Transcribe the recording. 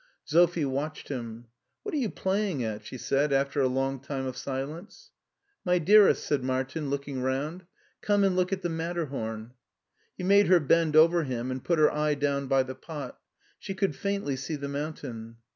Sophie watched him. {" What are you playing at? '* she said after a long time of silence. My dearest," said Martin looking round, " come and look at the Matterhom." He made her bend over him, and put her eye down by the pot. She could faintly see the mountain.